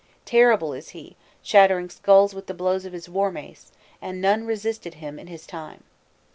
Terrible is he, shattering skulls with the blows of his war mace, and none resisted him in his time.